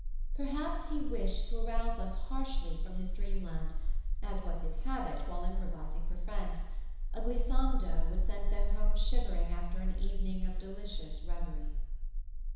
Perhaps he wished to arouse us harshly from his dreamland, as was his habit while improvising for friends a glissando would send them home shivering after an evening of delicious reverie.